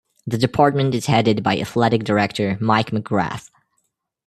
The Department is headed by Athletic Director Mike McGrath.